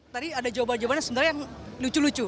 tadi ada jawaban jawabannya sebenarnya yang lucu lucu